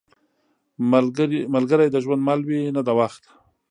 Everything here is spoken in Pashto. ملګری د ژوند مل وي، نه د وخت.